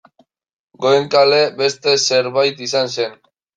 Goenkale beste zerbait izan zen.